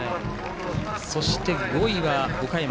そして、５位は岡山。